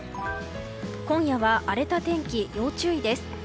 今夜は荒れた天気、要注意です。